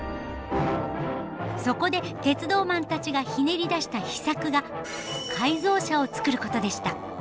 そこで鉄道マンたちがひねり出した秘策が改造車を作ることでした。